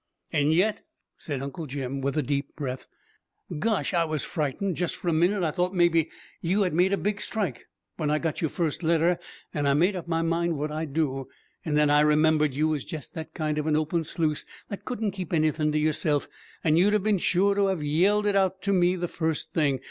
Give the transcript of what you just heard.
"And yet," said Uncle Jim, with a deep breath, "gosh! I was frightened jest for a minit! I thought, mebbe, you had made a big strike when I got your first letter and I made up my mind what I'd do! And then I remembered you was jest that kind of an open sluice that couldn't keep anythin' to yourself, and you'd have been sure to have yelled it out to me the first thing.